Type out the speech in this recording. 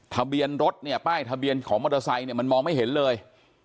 ทะเบียนรถเนี่ยป้ายทะเบียนของมอเตอร์ไซค์เนี่ยมันมองไม่เห็นเลย